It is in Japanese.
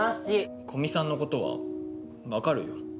古見さんのことは分かるよ。